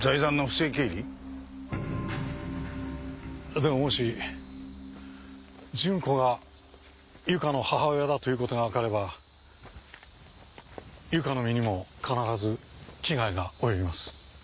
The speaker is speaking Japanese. でももし純子が由香の母親だということがわかれば由香の身にも必ず危害が及びます。